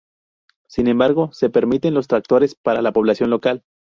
Sin embargo, se permiten los tractores para la población local.